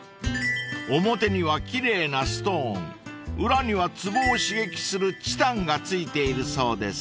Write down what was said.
［表には奇麗なストーン裏にはつぼを刺激するチタンが付いているそうです］